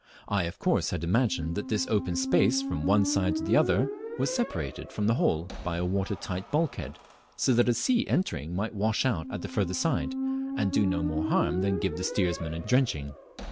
I of course had imagined that this open space from one side to the other was separated from the hold by a water tight bulkhead, so that a sea entering might wash out at the further side, and do no more harm than give the steersmen a drenching.